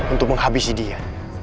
untuk menghabisi dia